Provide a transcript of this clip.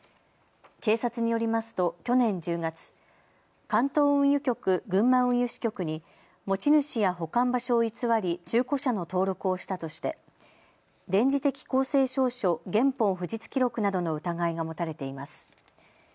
警察によりますと去年１０月、関東運輸局群馬運輸支局に持ち主や保管場所を偽り中古車の登録をしたとして電磁的公正証書原本不実記録などの疑いが持たれています。